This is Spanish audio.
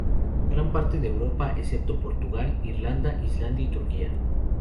Gran parte de Europa excepto Portugal, Irlanda, Islandia y Turquía.